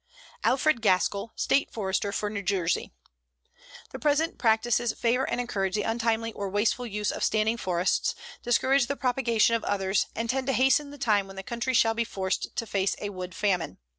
ALFRED GASKILL, State Forester for New Jersey: The present practices favor and encourage the untimely or wasteful use of standing forests, discourage the propagation of others, and tend to hasten the time when the country shall be forced to face a wood famine.